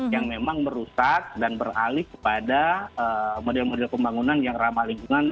yang memang merusak dan beralih kepada model model pembangunan yang ramah lingkungan